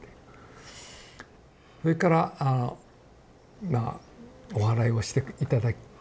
それからあのまあおはらいをして頂いて。